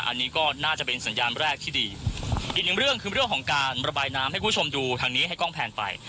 อันนี้ก็น่าจะเป็นสัญญาณแรกที่ดีอีกหนึ่งเรื่องคือเรื่องของการระบายน้ำให้คุณผู้ชมดูทางนี้ให้กล้องแพนไป